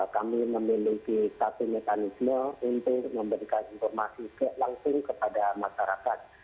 kami memiliki satu mekanisme untuk memberikan informasi langsung kepada masyarakat